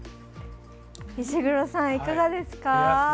石黒さん、いかがですか。